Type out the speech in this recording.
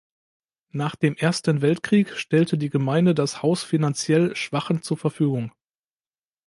Nach dem Ersten Weltkrieg stellte die Gemeinde das Haus finanziell Schwachen zur Verfügung.